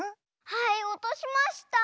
はいおとしました！